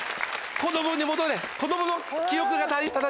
子供に戻れ！